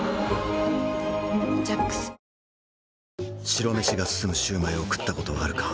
白飯が進むシュウマイを食ったことはあるか？